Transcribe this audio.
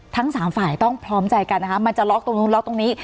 ทั้งสามฝ่ายต้องพร้อมใจกันนะคะมันจะล็อกตรงนู้นล็อกตรงนี้